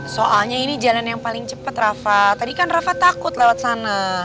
soalnya ini jalan yang paling cepat rafa tadi kan rafa takut lewat sana